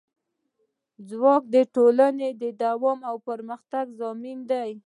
ځواک د ټولنې د دوام او پرمختګ ضامن دی.